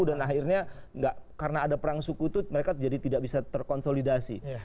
dan akhirnya karena ada perang suku itu mereka jadi tidak bisa terkonsolidasi